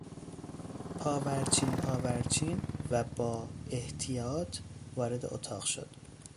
پاورچین پاورچین و با احتیاط وارد اتاق شد.